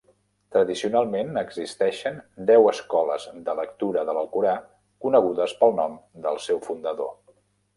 Tradicionalment, existeixen deu escoles de lectura de l'Alcorà conegudes pel nom del seu fundador.